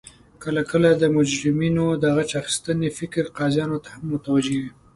کله کله د مجرمینو د غچ اخستنې فکر قاضیانو ته هم متوجه وي